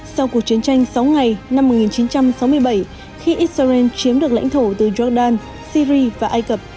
sau cuộc chiến tranh sáu ngày năm một nghìn chín trăm sáu mươi bảy khi israel chiếm được lãnh thổ từ jordan syri và ai cập